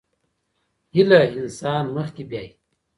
هيله انسان مخکې بيايي.